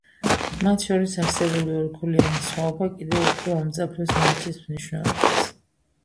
მათ შორის არსებული ორქულიანი სხვაობა კიდევ უფრო ამძაფრებს მატჩის მნიშვნელობას.